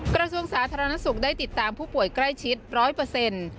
กระทรวงสาธารณสุขได้ติดตามผู้ป่วยใกล้ชิดร้อยเปอร์เซ็นต์